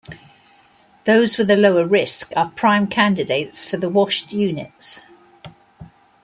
Those with a lower risk are prime candidates for the washed units.